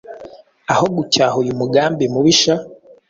Aho gucyaha uyu mugambi mubisha,